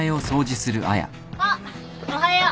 あっおはよう。